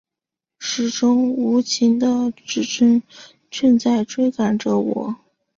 时钟无情的指针正在追赶着我